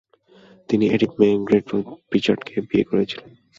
তিনি Edith May Gertrude প্রিচার্ডকে বিয়ে করেছিলেন।